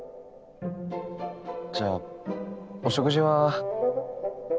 じゃあお食事は？